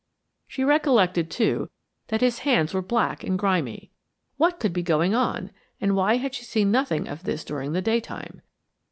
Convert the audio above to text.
She recollected, too, that his hands were black and grimy. What could be going on, and why had she seen nothing of this during the day time?